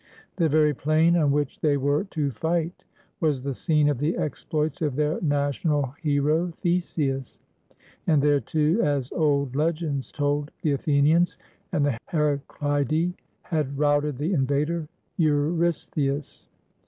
The very plain on which they were to fight was the scene of the exploits of their national hero, Theseus; and there, too, as old legends told, the Athenians and the HeracHdas had routed the invader, Eurystheus.